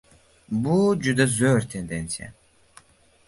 Bu juda zo‘r tendensiya.